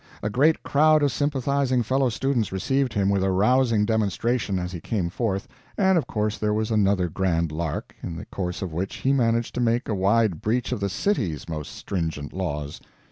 A great crowd of sympathizing fellow students received him with a rousing demonstration as he came forth, and of course there was another grand lark in the course of which he managed to make a wide breach of the CITY'S most stringent laws.